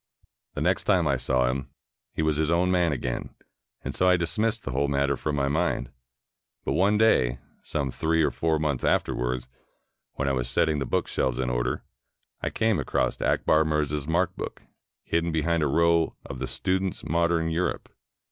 The next time I saw him, he was his own man again, and so I dismissed the whole matter from my mind. But one day, some three or four months afterwards, when I was setting the book shelves in order, I came across Akbar Mirza's mark book hidden behind a row of the "Student's Modern Europe."